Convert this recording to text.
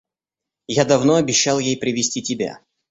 Я давно обещал ей привезти тебя.